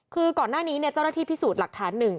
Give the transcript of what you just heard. คือก่อนหน้านี้เจ้าหน้าที่พิสูจน์หลักฐานหนึ่ง